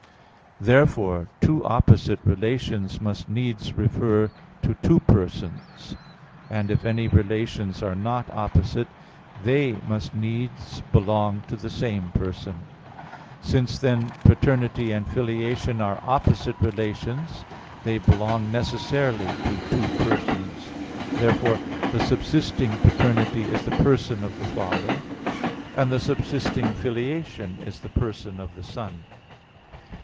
Therefore two opposite relations must needs refer to two persons: and if any relations are not opposite they must needs belong to the same person. Since then paternity and filiation are opposite relations, they belong necessarily to two persons. Therefore the subsisting paternity is the person of the Father; and the subsisting filiation is the person of the Son.